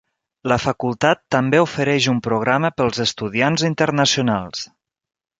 La facultat també ofereix un programa pels estudiants internacionals.